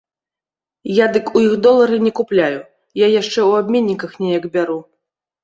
Я дык ў іх долары не купляю, я яшчэ ў абменніках неяк бяру.